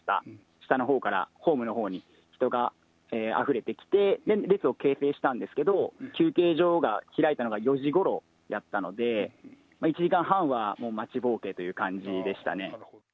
下のほうから、ホームのほうに人があふれてきて、列を形成してたんですけど、休憩所が開いたのが４時ごろだったので、１時間半は待ちぼうけという感じでしたね。